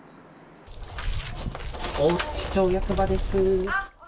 大槌町役場です。